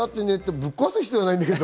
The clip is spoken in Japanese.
ぶっ壊す必要はないんですけど。